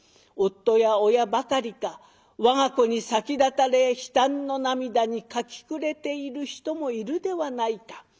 夫や親ばかりか我が子に先立たれ悲嘆の涙にかき暮れている人もいるではないか。